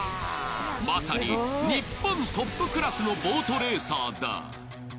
まさに日本トップクラスのボートレーサーだ。